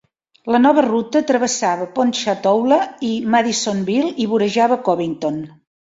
La nova ruta travessava Ponchatoula i Madisonville i vorejava Covington.